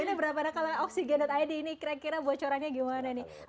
ini berapa kalau oksigen id ini kira kira bocorannya gimana nih